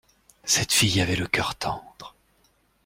Cette fille avait le cœur tendre.